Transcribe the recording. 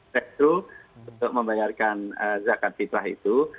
justru untuk membayarkan zakat fitrah itu